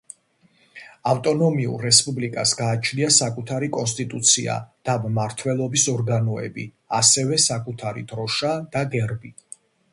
ავტონომიურ რესპუბლიკას გააჩნია საკუთარი კონსტიტუცია და მმართველობის ორგანოები, ასევე საკუთარი დროშა და გერბი.